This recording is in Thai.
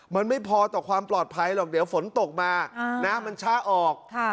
มันไม่พอต่อความปลอดภัยหรอกเดี๋ยวฝนตกมามันช้าออก